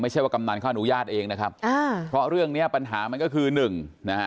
ไม่ใช่ว่ากำนันเขาอนุญาตเองนะครับอ่าเพราะเรื่องเนี้ยปัญหามันก็คือหนึ่งนะฮะ